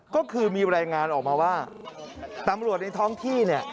ก็คือมีรายงานออกมาว่าตามรวจในท่องที่